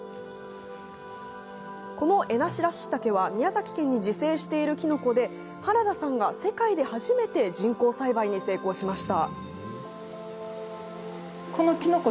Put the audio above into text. このエナシラッシタケは宮崎県に自生しているキノコで原田さんが世界で初めて人工栽培に成功しました。